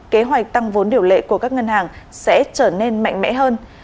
kế hoạch tăng vốn điều lệ của các ngân hàng sẽ trở nên mạnh mẽ hơn